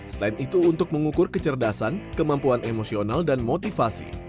selain itu untuk mengukur kecerdasan kemampuan emosional dan motivasi